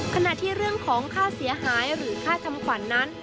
ขณะที่เรื่องของค่าเสียหายหรือค่าทำขวัญนั้น